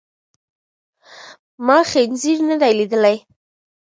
ما خنزير ندی لیدلی.